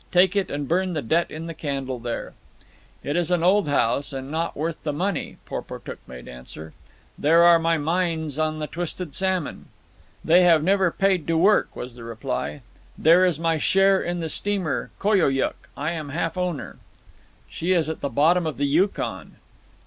Take it, and burn the debt in the candle there." "It is an old house and not worth the money," Porportuk made answer. "There are my mines on the Twisted Salmon." "They have never paid to work," was the reply. "There is my share in the steamer Koyokuk. I am half owner." "She is at the bottom of the Yukon."